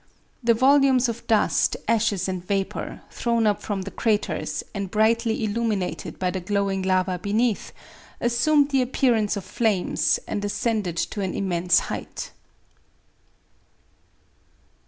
The volumes of dust, ashes and vapor, thrown up from the craters, and brightly illuminated by the glowing lava beneath, assumed the appearance of flames, and ascended to an immense height.